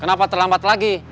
kenapa terlambat lagi